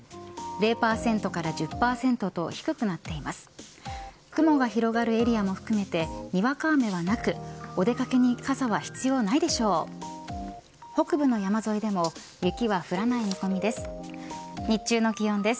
０％から１０％と低くなっています。